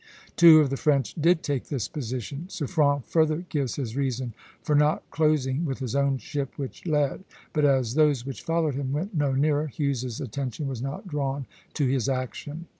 Two of the French did take this position. Suffren further gives his reason for not closing with his own ship, which led; but as those which followed him went no nearer, Hughes's attention was not drawn to his action.